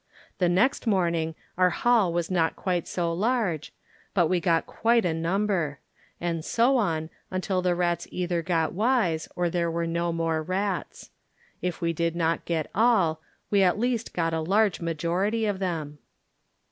The next morning our haul was nQt quite so large, but we got quite a number; and so on until the rats either got wise or there were no more rats. If we did rot get all, we at least got a large majority of them.